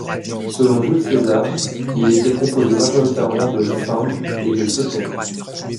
Selon Jules César, ils étaient composés majoritairement de Cimbres et de Teutons.